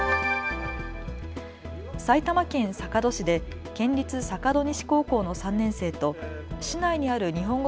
埼玉県坂戸市で県立坂戸西高校の３年生と市内にある日本語